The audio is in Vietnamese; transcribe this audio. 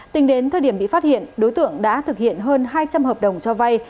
tính đến thời điểm bị phát hiện đối tượng đã thực hiện hơn hai trăm linh hợp đồng cho vay